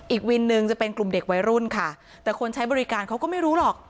อีกวินหนึ่งจะเป็นกลุ่มเด็กวัยรุ่นค่ะแต่คนใช้บริการเขาก็ไม่รู้หรอก